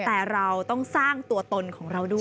แต่เราต้องสร้างตัวตนของเราด้วย